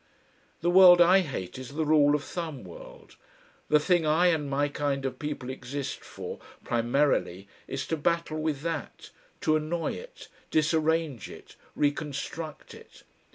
The world I hate is the rule of thumb world, the thing I and my kind of people exist for primarily is to battle with that, to annoy it, disarrange it, reconstruct it.